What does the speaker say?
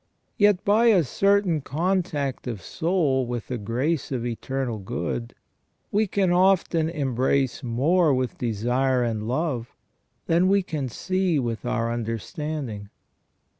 Yet by a certain contact of soul with the grace of eternal good, we can often embrace more with desire and love than we can see with our understanding.